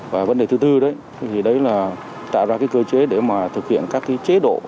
và vấn đề thứ tư đấy thì đấy là tạo ra cái cơ chế để mà thực hiện các cái chế độ